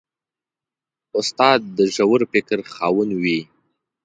استاد د ژور فکر خاوند وي.